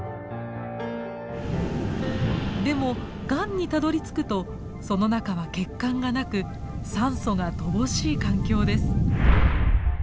でもがんにたどりつくとその中は血管がなく酸素が乏しい環境です。